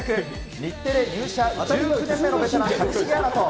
日テレ入社１９年目のベテラン、上重アナと。